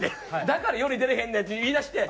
「だから世に出れへんねん」って言いだして。